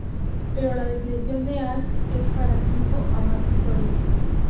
Pero la definición de "as" es para cinco o más victorias.